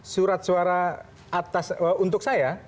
surat suara atas untuk saya